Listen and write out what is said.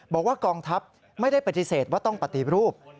บอกว่ากองทัพไม่ได้ปฏิเสธว่าต้องปฏิรูป